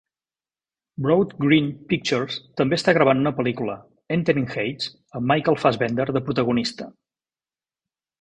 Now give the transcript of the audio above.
Broad Green Pictures també està gravant una pel·lícula, "Entering Hades", amb Michael Fassbender de protagonista.